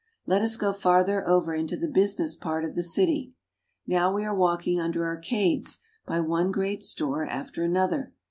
Let us go farther over into the business part of the city. Now we are walking under arcades by one great store after another.